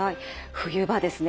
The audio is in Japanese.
冬場ですね